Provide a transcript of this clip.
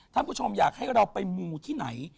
ท่านผู้ชมอยากให้เราไปมูที่ไหน